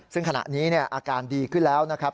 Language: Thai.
ซึ่งขณะนี้อาการดีขึ้นแล้วนะครับ